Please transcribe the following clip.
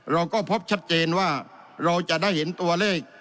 เราก็พบชัดเจนว่าเราจะได้เห็นตัวเลข